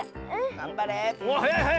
がんばれ！